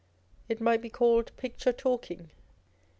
It might be called picture talking.